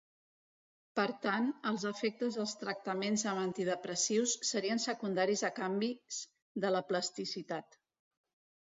Per tant, els efectes dels tractaments amb antidepressius serien secundaris a canvis en la plasticitat.